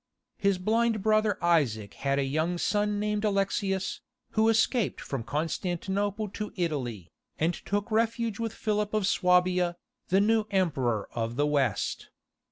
His blind brother Isaac had a young son named Alexius, who escaped from Constantinople to Italy, and took refuge with Philip of Suabia, the new Emperor of the West.